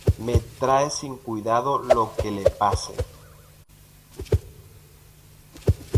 Me trae sin cuidado lo que le pase